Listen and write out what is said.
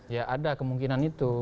ya ada kemungkinan itu